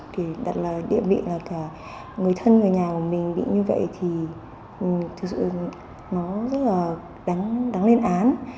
đặc biệt là địa vị là cả người thân người nhà của mình bị như vậy thì thật sự nó rất là đáng lên án